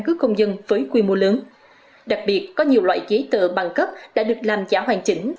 cứ công dân với quy mô lớn đặc biệt có nhiều loại giấy tờ bằng cấp đã được làm giả hoàn chỉnh